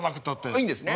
いいんですね。